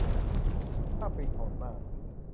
ค่าปิงโหดมาก